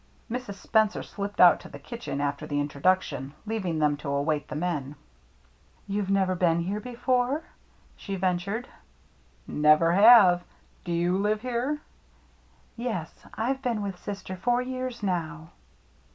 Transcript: Mrs. Spencer slipped out to the kitchen after the introduction, leaving them to await the men. "You've never been here before?" she ventured. 104 THE MERRT ANNE " Never have. Do you live here ?" "Yes, I've been with sister four years now."